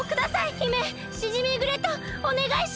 姫シジミーグレイトおねがいします！